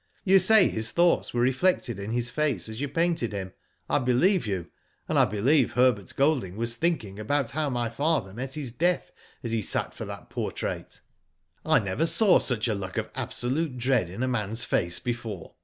"You say his thoughts were reflected in his face as you painted him. I believe you, and I believe Herbert Golding was thinking of how my father met his death as he sat for that portrait. I never saw such a look of absolute dread in a man's face before.